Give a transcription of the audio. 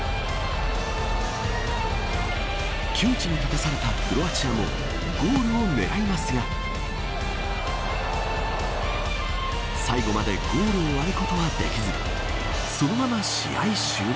窮地に立たされたクロアチアもゴールを狙いますが最後までゴールを割ることはできずそのまま試合終了。